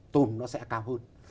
tôm nó sẽ cao hơn